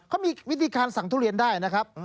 เขามีวิธีการสั่งทุเรียนได้นะครับ